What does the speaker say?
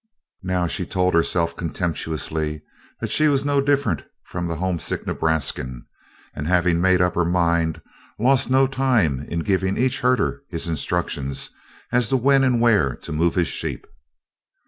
Now she told herself contemptuously that she was no different from the homesick Nebraskan, and, having made up her mind, lost no time in giving each herder his instructions as to when and where to move his sheep.